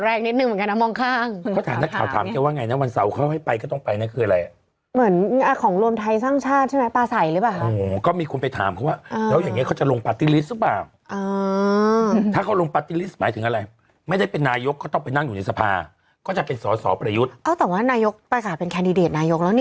วันนี้เชิญเมื่อไหมคะวันนี้เชิญเมื่อไหมคะวันนี้เชิญเมื่อไหมคะวันนี้เชิญเมื่อไหมคะวันนี้เชิญเมื่อไหมคะวันนี้เชิญเมื่อไหมคะวันนี้เชิญเมื่อไหมคะวันนี้เชิญเมื่อไหมคะวันนี้เชิญเมื่อไหมคะวันนี้เชิญเมื่อไหมคะวันนี้เชิญเมื่อไหมคะวันนี้เชิญเมื่อไหมคะวันนี้เชิญเมื่อไหมคะวันนี้เชิญเมื่อไ